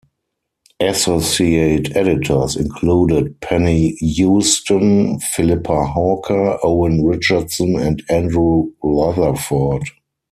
Associate Editors included Penny Hueston, Philippa Hawker, Owen Richardson and Andrew Rutherford.